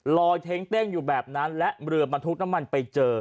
เท้งเต้งอยู่แบบนั้นและเรือบรรทุกน้ำมันไปเจอ